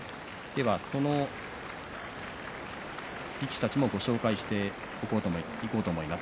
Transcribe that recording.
その力士たちもご紹介していきます。